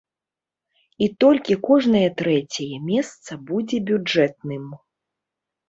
І толькі кожнае трэцяе месца будзе бюджэтным.